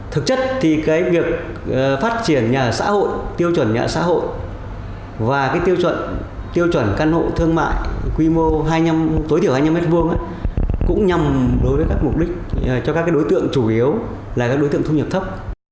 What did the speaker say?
thực chất thì việc phát triển nhà ở xã hội tiêu chuẩn nhà ở xã hội và tiêu chuẩn căn hộ thương mại tối thiểu hai mươi năm m hai cũng nhằm đối với các mục đích cho các đối tượng chủ yếu là các đối tượng thu nhập thấp